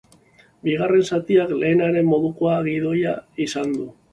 Bigarren zatiak lehenaren moduko gidoia izan du.